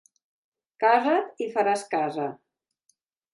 Casa't i faràs casa.